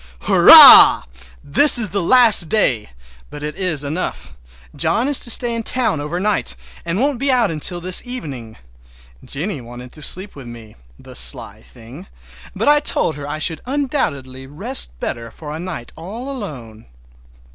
Hurrah! This is the last day, but it is enough. John is to stay in town over night, and won't be out until this evening. Jennie wanted to sleep with me—the sly thing! but I told her I should undoubtedly rest better for a night all alone.